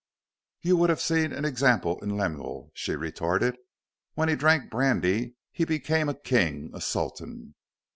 "You would have seen an example in Lemuel," she retorted. "When he drank brandy, he became a king, a sultan.